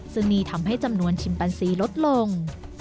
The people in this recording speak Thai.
ซึ่งนี่ทำให้จำนวนชิมปันซีลดลง